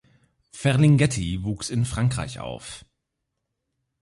Ferlinghetti wuchs in Frankreich auf.